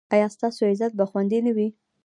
ایا ستاسو عزت به خوندي نه وي؟